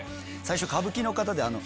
最初歌舞伎の方で。